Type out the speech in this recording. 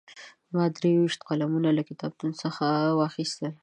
ما درې ویشت قلمونه له کتابتون څخه واخیستل.